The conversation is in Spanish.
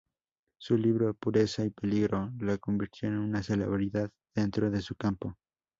Su libro "Pureza y peligro" la convirtió en una celebridad dentro de su campo.